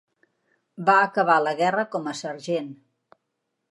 Va acabar la guerra com a sergent.